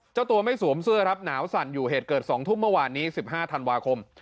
เจ้าตัวไม่สวมเสื้อครับหนาวสั่นอยู่เหตุเกิด๒ทุ่มเมื่อวานนี้๑๕ธันวาคม